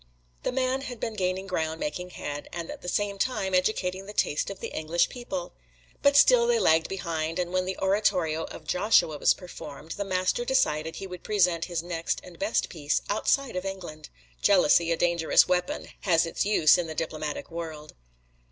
The man had been gaining ground, making head, and at the same time educating the taste of the English people. But still they lagged behind, and when the oratorio of "Joshua" was performed, the Master decided he would present his next and best piece outside of England. Jealousy, a dangerous weapon, has its use in the diplomatic world.